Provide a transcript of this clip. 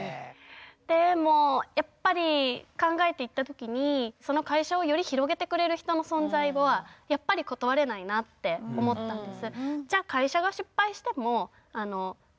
でもやっぱり考えていった時に会社をより広げてくれる人の存在はやっぱり断れないなって思ったんです。